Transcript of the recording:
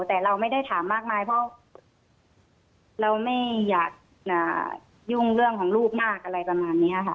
แต่เราไม่ได้ถามมากมายเพราะเราไม่อยากยุ่งเรื่องของลูกมากอะไรประมาณนี้ค่ะ